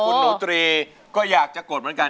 คุณหนูตรีก็อยากจะกดเหมือนกัน